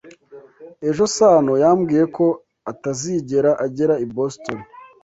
Ejo, Sano yambwiye ko atazigera agera i Boston.